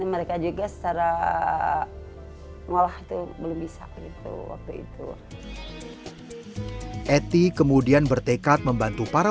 mereka juga secara malah itu belum bisa gitu waktu itu eti kemudian bertekad membantu para